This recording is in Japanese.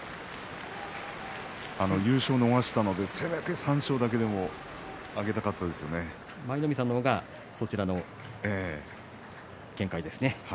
優勝を逃したのでせめて三賞だけでも舞の海さんの方がこちらの見解ですね。